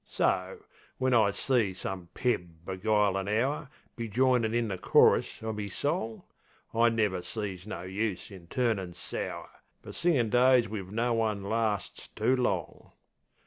So, when I sees some peb beguile an hour Be joinin' in the chorus o' me song, I never sees no use in turnin' sour; Fer singin' days wiv no one larsts too long.